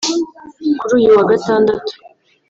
Kuri uyu wa Gatandatu